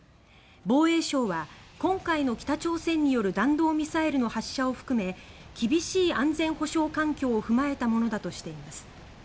防衛省は今回の北朝鮮による弾道ミサイルの発射を含め厳しい安全保障環境を踏まえたものだとしています。